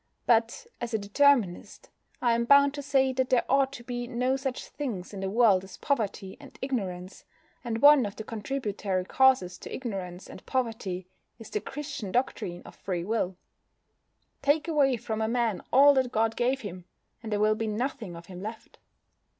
But as a Determinist I am bound to say that there ought to be no such things in the world as poverty and ignorance, and one of the contributory causes to ignorance and poverty is the Christian doctrine of free will. Take away from a man all that God gave him, and there will be nothing of him left.